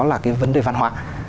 là cái vấn đề văn hóa